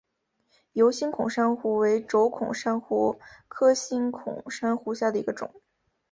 疣星孔珊瑚为轴孔珊瑚科星孔珊瑚下的一个种。